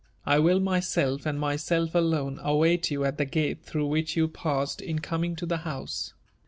I will myself, and myself alone, await you at the gate through which you parsed in cominf to tb^ house.